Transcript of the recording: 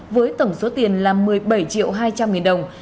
với tổng số tiền là một mươi bảy triệu hai trăm linh nghìn đồng